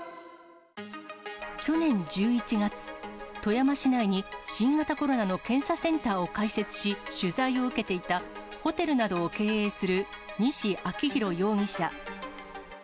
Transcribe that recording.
去年１１月、富山市内に新型コロナの検査センターを開設し、取材を受けていた、ホテルなどを経営する西昭洋容疑者。